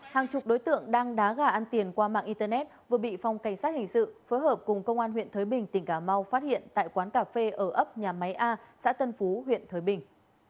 hàng chục đối tượng đang đá gà ăn tiền qua mạng internet vừa bị phòng cảnh sát hình sự phối hợp cùng công an huyện thới bình tỉnh cà mau phát hiện tại quán cà phê ở ấp nhà máy a xã tân phú huyện thới bình